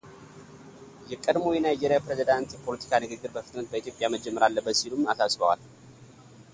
የቀድሞው የናይጄሪያ ፕሬዝዳንት የፖለቲካ ንግግር በፍጥነት በኢትዮጵያ መጀመር አለበት ሲሉም አሳስበዋል።